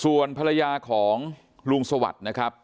ส่วนภรรยาของลุงสวัสดิ์นะครับ